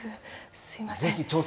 すみません。